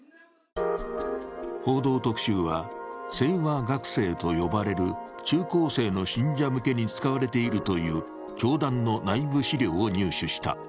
「報道特集」は、成和学生と呼ばれる中高生の信者向けに使われているという教団の内部資料を入手した。